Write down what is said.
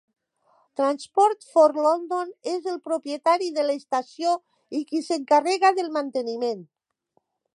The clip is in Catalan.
Transport for London és el propietari de l'estació i qui s'encarrega del manteniment.